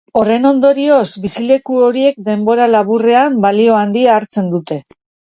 Horren ondorioz, bizileku horiek denbora laburrean balio handia hartzen dute.